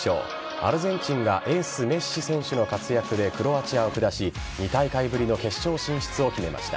アルゼンチンがエース・メッシ選手の活躍でクロアチアを下し２大会ぶりの決勝進出を決めました。